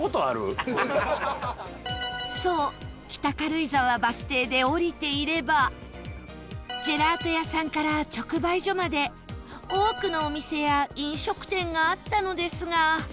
そう北軽井沢バス停で降りていればジェラート屋さんから直売所まで多くのお店や飲食店があったのですが